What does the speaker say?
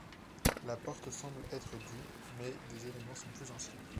La porte semble être du mais des éléments sont plus anciens.